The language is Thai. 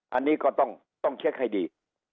อันนี้ก็ต้องเช็คให้ดี